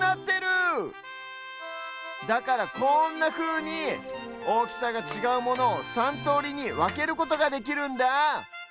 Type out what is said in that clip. だからこんなふうにおおきさがちがうものを３とおりにわけることができるんだ！